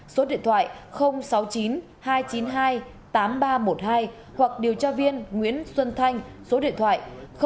số điện thoại sáu mươi chín hai trăm chín mươi hai tám nghìn ba trăm một mươi hai hoặc điều tra viên nguyễn xuân thanh số điện thoại chín trăm bốn mươi sáu tám trăm chín mươi hai tám trăm chín mươi chín